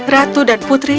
ratu dan putri